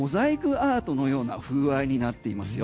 アートのような風合いになっていますよ。